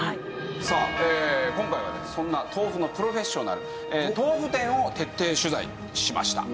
さあ今回はそんな豆腐のプロフェッショナル豆腐店を徹底取材しました。